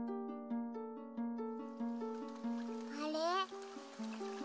あれ？